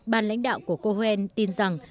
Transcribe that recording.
ban lãnh đạo của cohoen tin rằng